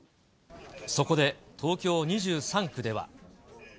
そこで、東京２３区では。